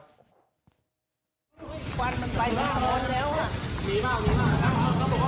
ฟันมันไปแล้วร้อนแล้ว